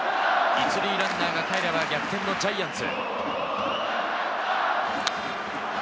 １塁ランナーがかえれば逆転のジャイアンツ。